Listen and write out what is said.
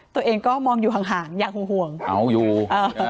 ตัวเองก็มองอยู่ห่างห่างอยากห่วงห่วงเอาอยู่เออ